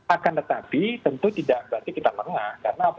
akan tetapi tentu tidak berarti kita menengah